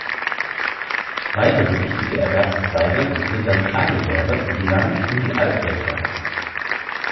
Weitere wichtige Erwerbszweige sind das Kleingewerbe, die Land- und die Alpwirtschaft.